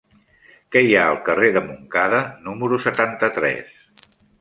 Què hi ha al carrer de Montcada número setanta-tres?